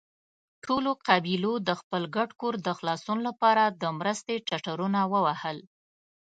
ټولو قبيلو د خپل ګډ کور د خلاصون له پاره د مرستې ټټرونه ووهل.